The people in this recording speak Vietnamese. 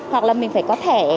hoặc là mình phải có thẻ